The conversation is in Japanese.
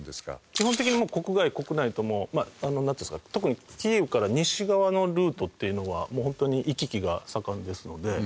基本的に国外国内ともあのなんていうんですか特にキーウから西側のルートっていうのはもうホントに行き来が盛んですので。